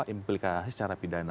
implikasi secara pidana